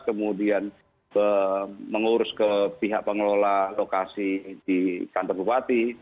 kemudian mengurus ke pihak pengelola lokasi di kantor bupati